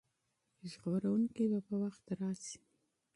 ژغورونکی به په وخت راشي.